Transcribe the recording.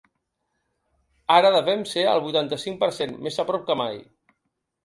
Ara devem ser al vuitanta-cinc per cent, més a prop que mai.